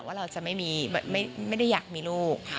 ว่าเราจะไม่ได้อยากมีลูก